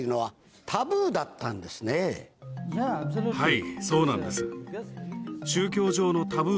はい。